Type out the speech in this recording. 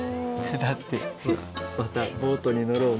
だってほら「またボートに乗ろうね」